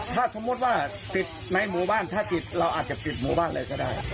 ถ้าสมมุติว่าปิดในหมู่บ้านถ้าปิดเราอาจจะปิดหมู่บ้านเลยก็ได้